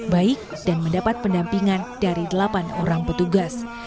baik dan mendapat pendampingan dari delapan orang petugas